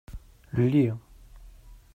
Lli.